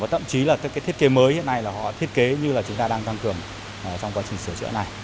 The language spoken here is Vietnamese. và tậm chí là cái thiết kế mới hiện nay là họ thiết kế như là chúng ta đang tăng cường trong quá trình sửa chữa này